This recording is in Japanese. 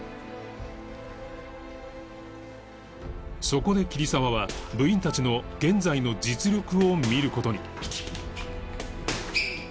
そこで桐沢は部員たちの現在の実力を見る事に